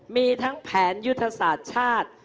มีทั้งแผนยุทธศาสตร์ชาติ